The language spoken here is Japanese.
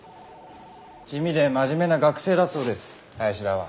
地味で真面目な学生だそうです林田は。